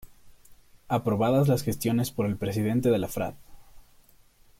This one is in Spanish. Aprobadas las gestiones por el Presidente de la F.r.a.d.